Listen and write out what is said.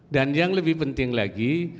dan yang lebih penting lagi